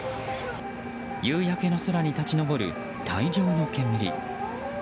夕焼けの空に立ち上る大量の煙。